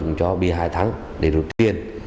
sử dụng cho bịa hại thắng để rút tiền